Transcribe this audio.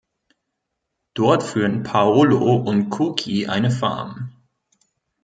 Dort führen Paolo und Kuki eine Farm.